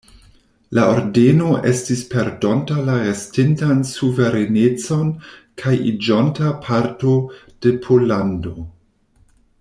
La Ordeno estis perdonta la restintan suverenecon kaj iĝonta parto de Pollando.